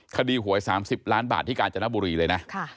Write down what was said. หวย๓๐ล้านบาทที่กาญจนบุรีเลยนะ